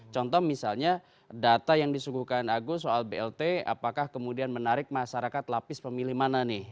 contoh misalnya data yang disuguhkan agus soal blt apakah kemudian menarik masyarakat lapis pemilih mana nih